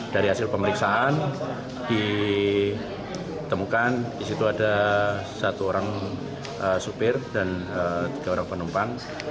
dari hasil pemeriksaan ditemukan di situ ada satu orang supir dan tiga orang penumpang